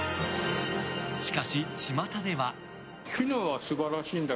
しかし、ちまたでは。